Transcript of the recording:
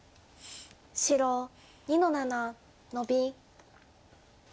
白２の七ノビ。